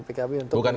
pkb untuk bergabung